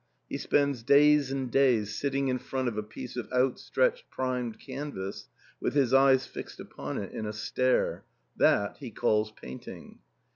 He spends da)rs and days sitting in front of a piece of out stretched primed canvas, with his eyes fixed upon it in a stare ; that he calls painting.